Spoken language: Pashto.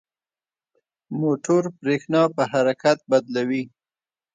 موټور برېښنا په حرکت بدلوي.